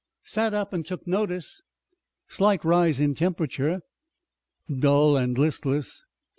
"Sat up and took notice." "Slight rise in temper." "Dull and listless."